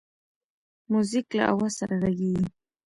موزیک له آواز سره غږیږي.